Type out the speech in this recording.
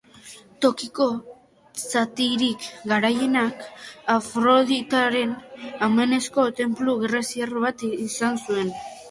Tokiko zatirik garaienak, Afroditaren omenezko tenplu greziar bat izan zuen.